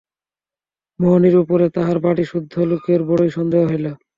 মোহিনীর উপরে তাহার বাড়িসুদ্ধ লোকের বড়োই সন্দেহ হইল।